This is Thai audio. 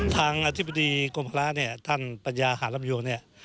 ทางอธิบดีกลมภาระท่านปัญญาหารัมโยง